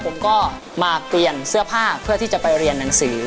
ผมก็มาเปลี่ยนเสื้อผ้าเพื่อที่จะไปเรียนหนังสือ